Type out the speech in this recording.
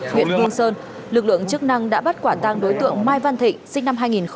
huyện vương sơn lực lượng chức năng đã bắt quả tăng đối tượng mai văn thịnh